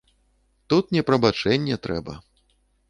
Тут не прабачэнне трэба.